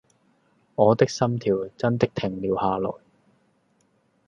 我的心跳真的停了下來